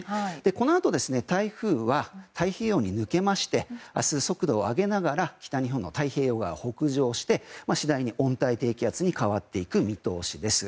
このあと台風は太平洋に抜けまして明日速度を上げながら北日本の太平洋側を北上して、次第に温帯低気圧に変わっていく見通しです。